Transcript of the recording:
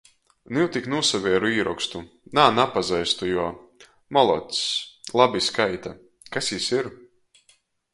Niu tik nūsavieru īrokstu. Nā, napazeistu juo. Molocs, labi skaita! Kas jis ir?